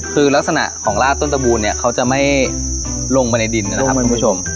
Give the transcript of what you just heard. คือลักษณะของลาดต้นตะบูนเนี่ยเขาจะไม่ลงไปในดินนะครับคุณผู้ชม